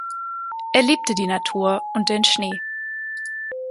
Er liebte die Natur und den Schnee.